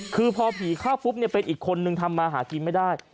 คือพอผีเข้าปุ๊บเป็นอีกคนนึงทำมาหากินไม่ได้